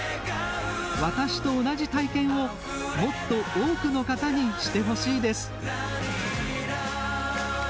私と同じ体験を、もっと多くの方にしてほしいです。